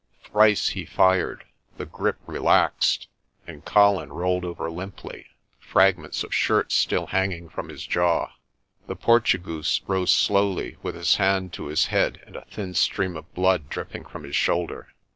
Thrice he fired, the grip relaxed, and Colin rolled over limply, fragments of shirt still hanging from his jaw. The Portugoose rose slowly with his hand to his head and a thin stream of blood dripping from his shoulder.